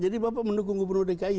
jadi bapak mendukung gubernur dki